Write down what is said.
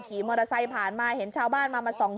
ขี่มอเตอร์ไซค์ผ่านมาเห็นชาวบ้านมามาส่อง